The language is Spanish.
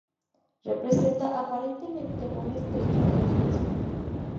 Representa aparentemente un estrecho endemismo.